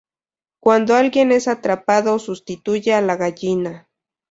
Cuando alguien es atrapado sustituye a la gallina.